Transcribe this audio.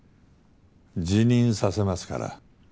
辞任させますから。